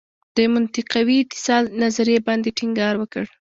د منطقوي اتصال نظریې باندې ټینګار وکړ.